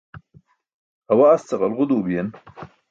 awa asce ġalġu duu biyen